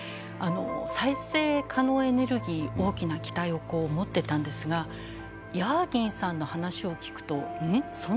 再生可能エネルギー大きな期待を持ってたんですがヤーギンさんの話を聞くとうん？